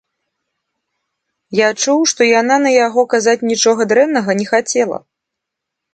Я чуў, што яна на яго казаць нічога дрэннага не хацела.